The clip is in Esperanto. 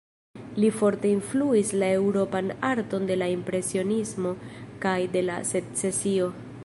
Li forte influis la eŭropan arton de la Impresionismo kaj de la Secesio.